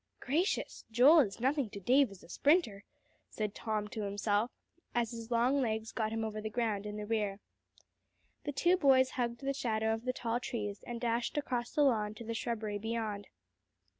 "Gracious! Joel is nothing to Dave as a sprinter," said Tom to himself, as his long legs got him over the ground in the rear. The two boys hugged the shadow of the tall trees and dashed across the lawn to the shrubbery beyond.